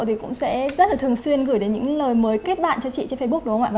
thì cũng sẽ rất là thường xuyên gửi đến những lời mới kết bạn cho chị trên facebook đúng không ạ